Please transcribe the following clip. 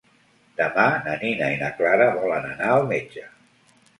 Demà na Nina i na Clara volen anar al metge.